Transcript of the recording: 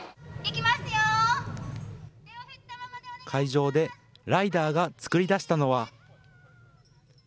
会場でライダーが作りだしたのは。